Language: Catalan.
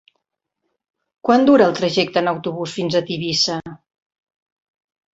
Quant dura el trajecte en autobús fins a Tivissa?